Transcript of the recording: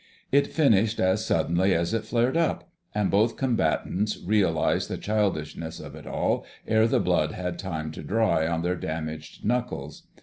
It finished as suddenly as it flared up, and both combatants realised the childishness of it all ere the blood had time to dry on their damaged knuckles.